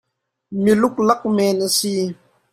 Mi luklak men a si.